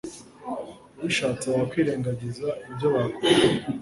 ubishatse wakwirengagiza ibyo bakubwira